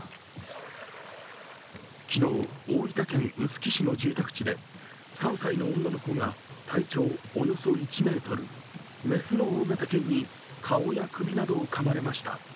昨日、大分県臼杵市の住宅地で３歳の女の子が体長およそ１ｍ、雌の大型犬に顔や首などをかまれました。